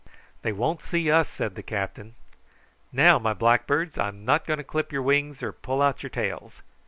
"They won't see us," said the captain. "Now, my blackbirds, I'm not going to clip your wings or pull out your tails.